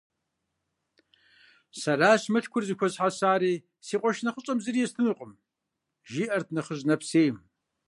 - Сэращ мылъкур зэхуэзыхьэсари, си къуэш нэхъыщӀэм зыри естынукъым, - жиӀэрт нэхъыжь нэпсейм.